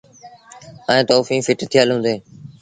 ائيٚݩ توڦيٚن ڦٽ ٿيٚل هُݩديٚݩ۔